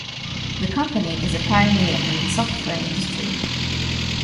The company is a pioneer in the software industry.